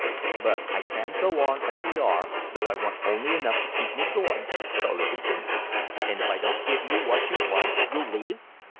"But I can't go on as we are, though I want only enough to keep me going," Charley continued. "And if I don't give you what you want, you'll leave?"